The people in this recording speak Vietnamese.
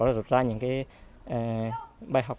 và đột ra những bài học